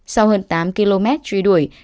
sau hơn tám km truy đuổi